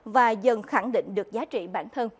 và dần khẳng định được giá trị bản thân